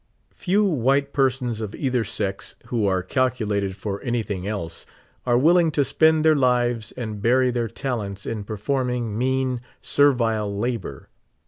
Few white persons of either sex, who are calculated for anything else, are willing to spend their lives and bury their talents in performing mean, servile labor.